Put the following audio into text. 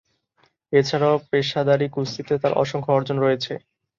এছাড়াও পেশাদারি কুস্তিতে তার অসংখ্য অর্জন রয়েছে।